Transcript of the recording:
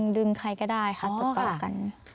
ดึงใครก็ได้ค่ะติดต่อกัน